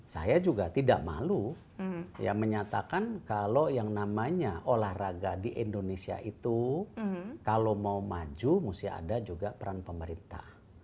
saya juga tidak malu menyatakan kalau yang namanya olahraga di indonesia itu kalau mau maju mesti ada juga peran pemerintah